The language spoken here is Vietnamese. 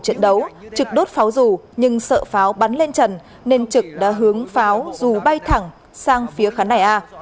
trận đấu trực đốt pháo dù nhưng sợ pháo bắn lên trần nên trực đã hướng pháo dù bay thẳng sang phía khán đài a